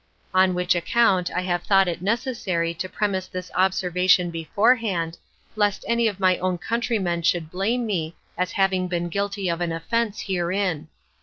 On which account I have thought it necessary to premise this observation beforehand, lest any of my own countrymen should blame me, as having been guilty of an offense herein.